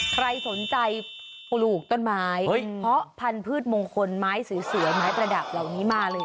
ใครสนใจปลูกต้นไม้เพราะพันธุ์มงคลไม้สวยไม้ประดับเหล่านี้มาเลย